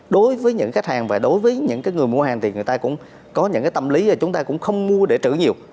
đối với những khách hàng và đối với những người mua hàng thì người ta cũng có những tâm lý là chúng ta cũng không mua để trữ nhiều